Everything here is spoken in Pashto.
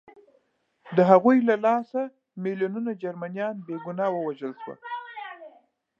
د هغوی له لاسه میلیونونه جرمنان بې ګناه ووژل شول